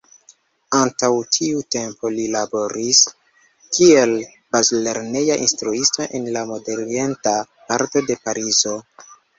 Antaŭ tiu tempo li laboris kiel bazlerneja instruisto en la nordorienta parto de Parizo.